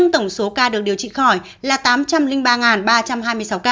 tổng số ca được điều trị khỏi là tám trăm linh ba ba trăm hai mươi sáu ca